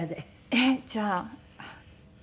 えっじゃあ。